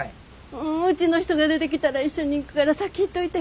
うんうちの人が出てきたら一緒に行くから先行っといて。